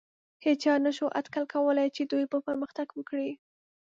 هېچا نهشو اټکل کولی، چې دوی به پرمختګ وکړي.